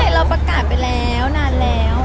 เราประกาศไปแล้วนานแล้ว